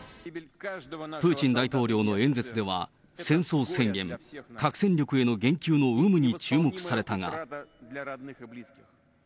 プーチン大統領の演説では、戦争宣言、核戦力への言及の有無に注目されたが。